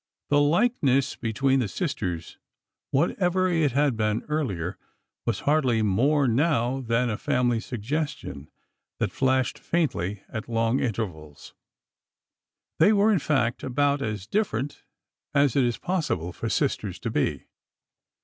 The likeness between the sisters, whatever it had been earlier, was hardly more now than a family suggestion that flashed faintly at long intervals. They were, in fact, about as different as it is possible for sisters to be.